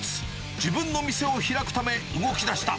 自分の店を開くため、動きだした。